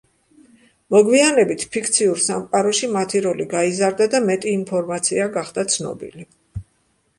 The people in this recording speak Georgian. მოგვიანებით ფიქციურ სამყაროში მათი როლი გაიზარდა და მეტი ინფორმაცია გახდა ცნობილი.